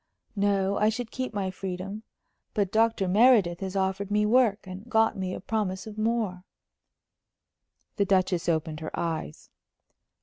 "No. I should keep my freedom. But Dr. Meredith has offered me work, and got me a promise of more." The Duchess opened her eyes.